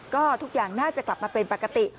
ก็ทุกอย่างน่าจะกลับมาเป็นปกติ